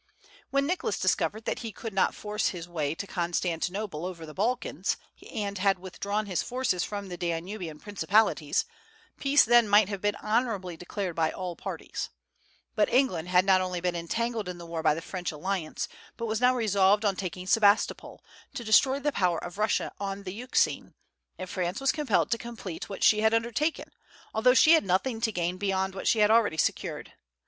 When Nicholas discovered that he could not force his way to Constantinople over the Balkans, and had withdrawn his forces from the Danubian principalities, peace then might have been honorably declared by all parties. France perhaps might have withdrawn from the contest, which had effected the end at first proposed. But England not only had been entangled in the war by the French alliance, but now was resolved on taking Sebastopol, to destroy the power of Russia on the Euxine; and France was compelled to complete what she had undertaken, although she had nothing to gain beyond what she had already secured.